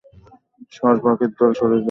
সর পাখির দল, সরে যা।